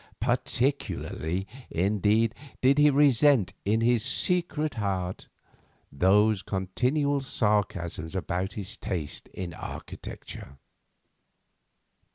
Particularly, indeed, did he resent, in his secret heart, those continual sarcasms about his taste in architecture.